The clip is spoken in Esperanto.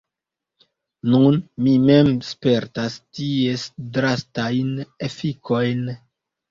Nun mi mem spertas ties drastajn efikojn.